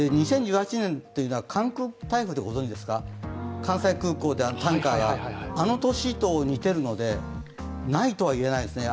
２０１８年というのは関空台風、ご存じですか、タンカーが、あの年と似ているのでないとはいえないですね。